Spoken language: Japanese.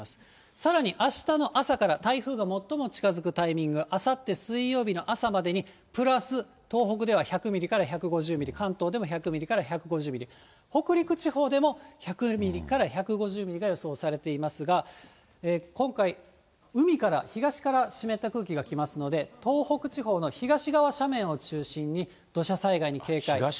さらにあしたの朝から台風が最も近づくタイミング、あさって水曜日の朝までにプラス、東北では１００ミリから１５０ミリ、関東でも１００ミリから１５０ミリ、北陸地方でも１００ミリから１５０ミリが予想されていますが、今回、海から、東から湿った空気が来ますので、東北地方の東側斜面を中心に、土砂災害に警戒。